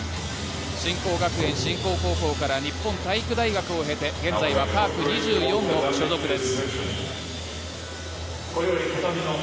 神港学園から日本体育大学を経て現在はパーク２４の所属です。